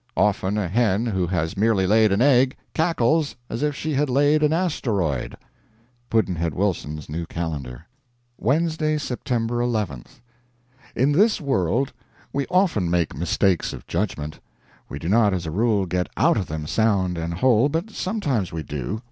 Often a hen who has merely laid an egg cackles as if she had laid an asteroid. Pudd'nhead Wilson's New Calendar. WEDNESDAY, Sept. 11. In this world we often make mistakes of judgment. We do not as a rule get out of them sound and whole, but sometimes we do.